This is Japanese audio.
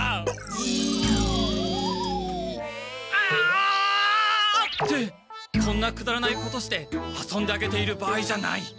じっ。ああ！ってこんなくだらないことして遊んであげているばあいじゃない。